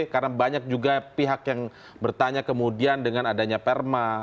karena banyak juga pihak yang bertanya kemudian dengan adanya perma